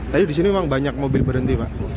tadi disini memang banyak mobil berhenti pak